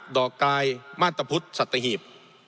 ดอกกายมาตรพุทธสัตหีบ